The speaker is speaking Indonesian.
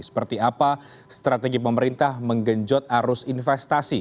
seperti apa strategi pemerintah menggenjot arus investasi